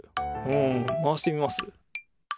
うん回してみます？